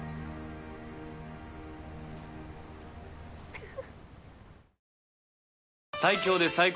フフ。